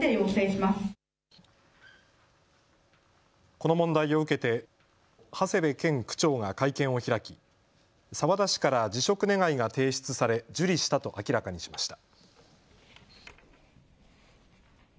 この問題を受けて長谷部健区長が会見を開き澤田氏から辞職願が提出され受理したと明らかにしました。